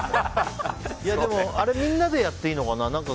でも、みんなでやっていいのかな。